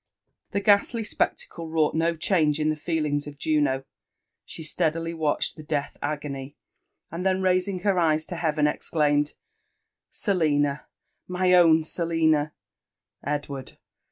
The ghastly spectacle wrought no change in the feelings of Juno She steadily watched the death agony, and then raising her eyes to heaven, exclaimed, •• Selina ! my own Selina ! Edward